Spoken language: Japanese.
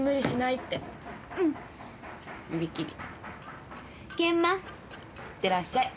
いってらっしゃい。